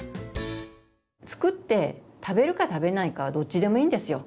作って食べるか食べないかはどっちでもいいんですよ。